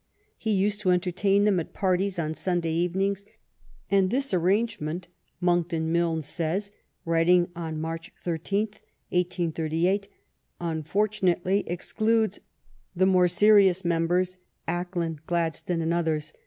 " He used to entertain them at parties on Sunday evenings," and " this arrange ment," Monckton Milnes says, writing on March 13, 1838, "unfortunately excludes the more seri ous members, Acland, Gladstone, and others.